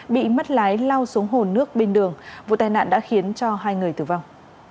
bị mất lái lao xuống hồ nước bên đường vụ tai nạn đã khiến cho hai người tử vong